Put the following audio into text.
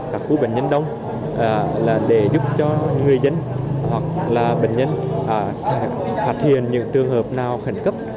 các khu bệnh nhân đông là để giúp cho người dân hoặc là bệnh nhân sẽ phát hiện những trường hợp nào khẩn cấp